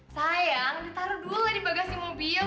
sayang ini taruh dulu lah di bagasi mobil